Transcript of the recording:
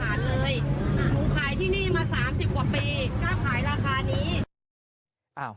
ผมขายที่นี่มา๓๐กว่าปีก็ขายราคานี้